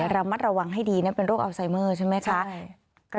ระมัดระวังให้ดีนะเป็นโรคอัลไซเมอร์ใช่ไหมคะ